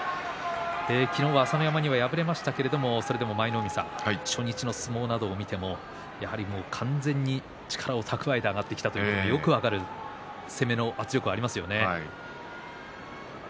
昨日は朝乃山に敗れましたけれどそれでも舞の海さん初日の相撲などを見ても完全に力を蓄えて上がってきたというのがよく分かる攻めの圧力がありますよね。